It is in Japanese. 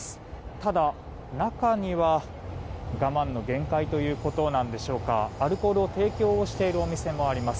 ただ、中には我慢の限界ということなんでしょうかアルコールを提供しているお店もあります。